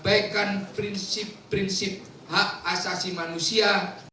perbaikan prinsip prinsip hak asasi manusia